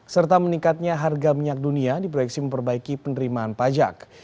serta meningkatnya harga minyak dunia di proyeksi memperbaiki penerimaan pajak